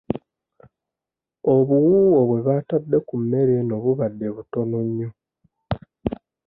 Obuwuuwo bwe baatadde ku mmere eno bubadde butono nnyo.